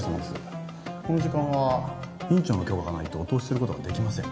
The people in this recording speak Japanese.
この時間は院長の許可がないとお通しすることができません。